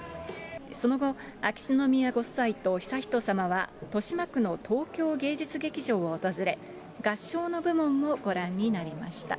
その後、秋篠宮ご夫妻と悠仁さまは豊島区の東京芸術劇場を訪れ、合唱の部門をご覧になりました。